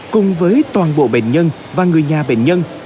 cùng với toàn bộ bệnh nhân và người nhà bệnh nhân